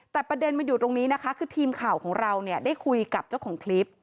แต่ประเด็นมันอยู่ตรงนี้นะคะคือทีมข่าวของเราเนี่ยได้คุยกับเจ้าของคลิป